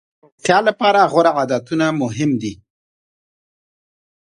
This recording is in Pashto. روغتیا لپاره غوره عادتونه مهم دي.